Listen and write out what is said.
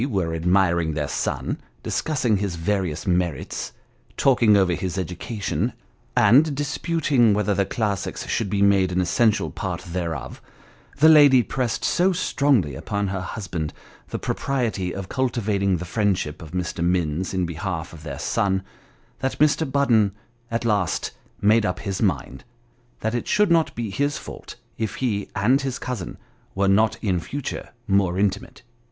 were admiring their son, discussing his various merits, talking over his education, and disputing whether the classics should be made an essential part thereof, the lady pressed so strongly upon her husband the propriety of cultivating the friend ship of Mr. Minns in behalf of their son, that Mr. Budden at last made up his mind, that it should not be his fault if he and his cousin were not in future more intimate.